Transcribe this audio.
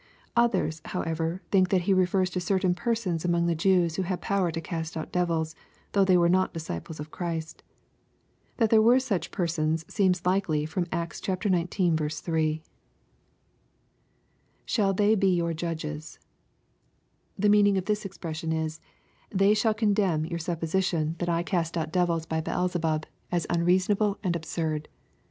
Others, however, think that He refers to certain persons among tlie Jews who had power to cast out devils, though they were not disciples of Christ. That there were such persons seems likely from Acts xix. 3. [Shall they he your judges.] The meaning of this expression ia, " They shall condemn your suppositit n that I cast out devils by 22 EXPOSITORY THOUGHTS. Beelzu\)ub, as uiireasonable and absurd.